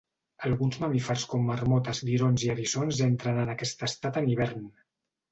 Alguns mamífers com marmotes, lirons i eriçons entren en aquest estat en hivern.